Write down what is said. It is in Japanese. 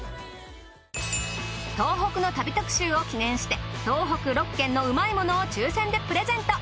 東北の旅特集を記念して東北６県のうまいものを抽選でプレゼント。